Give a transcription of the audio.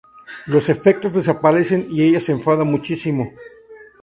Los efectos desaparecen y ella se enfada muchísimo.